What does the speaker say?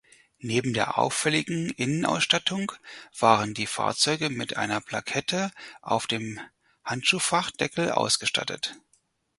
Neben der auffälligen Innenausstattung waren die Fahrzeuge mit einer Plakette auf dem Handschuhfach-Deckel ausgestattet.